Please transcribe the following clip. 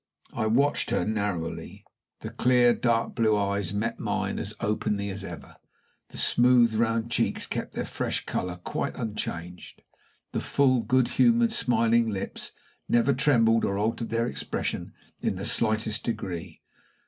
I watched her narrowly. The clear, dark blue eyes met mine as openly as ever. The smooth, round cheeks kept their fresh color quite unchanged. The full, good humored, smiling lips never trembled or altered their expression in the slightest degree.